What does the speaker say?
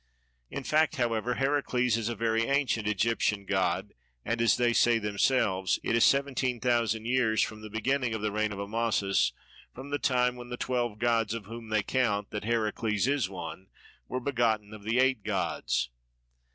In fact however Heracles is a very ancient Egyptian god; and (as they say themselves) it is seventeen thousand years to the beginning of the reign of Amasis from the time when the twelve gods, of whom they count that Heracles is one, were begotten of the eight gods.